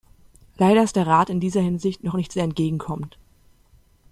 Leider ist der Rat in dieser Hinsicht noch nicht sehr entgegenkommend.